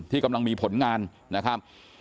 กำลังมีผลงานนะครับ